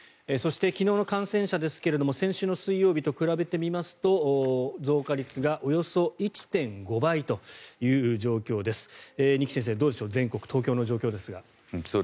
そして、昨日の感染者ですが先週の水曜日と比べてみますと増加率がおよそ１．５倍という状況です。